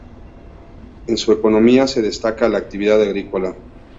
En su economía se destaca la actividad agrícola.